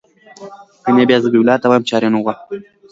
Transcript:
د مایکروسکوپ ارزښت په تېرېدو سره ترلاسه شوی.